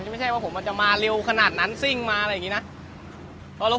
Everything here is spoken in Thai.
ไม่ใช่ว่ามันจะมาเร็วขนาดนั้นซิ่งมะเราผมก็หนักนะ